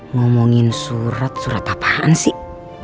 ngomongin surat surat apaan sih